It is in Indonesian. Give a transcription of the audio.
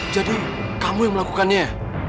jadi kamu yang melakukannya